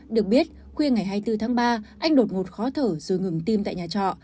được biết khuya ngày hai mươi bốn tháng ba anh đột ngột khó thở rồi ngừng tim tại nhà trọ